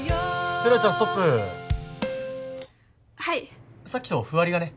セイラちゃんストップはいさっきと譜割りがね